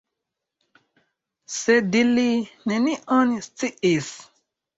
Sed li nenion sciis.